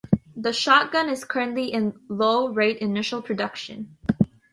The shotgun is currently in low rate initial production.